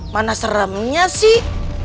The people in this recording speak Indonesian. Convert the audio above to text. mana seremnya sih